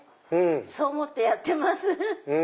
そう思ってやってます。